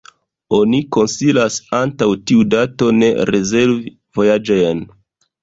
Oni konsilas antaŭ tiu dato ne rezervi vojaĝojn.